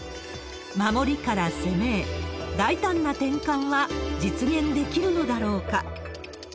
守りから攻めへ、大胆な転換は実現できるのだろうか。